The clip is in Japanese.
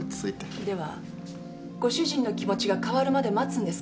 ではご主人の気持ちが変わるまで待つんですか？